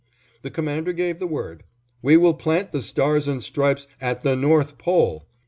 The Commander gave the word, "We will plant the stars and stripes _at the North Pole!